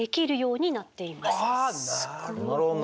あなるほど。